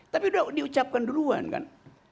tapi udah diucapkan duluan kan